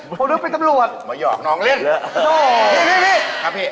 ผมจะถามดูว่า